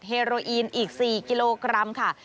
เรอีนอีก๔กิโลกรัมค่ะ